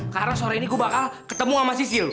karena sore ini gua bakal ketemu sama sisil